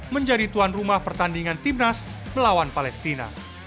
menjadi tuan rumah pertandingan timnas melawan palestina